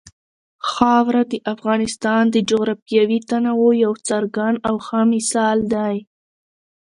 خاوره د افغانستان د جغرافیوي تنوع یو څرګند او ښه مثال دی.